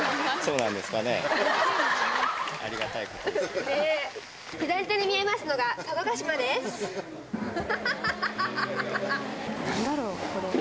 なんだろう？これ。